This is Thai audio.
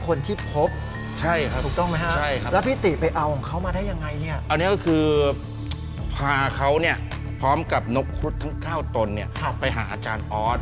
อันนี้ก็คือพาเขาปลอมกับขรุดทั้ง๙ศพไปหาอาจารย์ออส